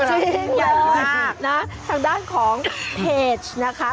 จริงเหรอครับทางด้านของเพจนะคะ